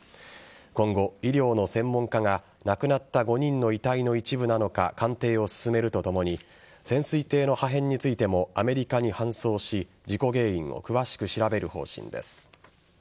今後、医療の専門家が亡くなった５人の遺体の一部なのか鑑定を進めるとともに潜水艇の破片についてもアメリカに搬送し事故原因を詳しく調べる方針です。